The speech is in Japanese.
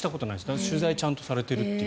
だから取材ちゃんとされてるという。